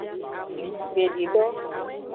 Gbedido.